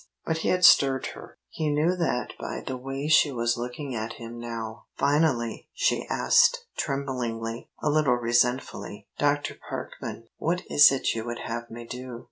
But he had stirred her; he knew that by the way she was looking at him now. Finally she asked, tremblingly, a little resentfully: "Dr. Parkman, what is it you would have me do?"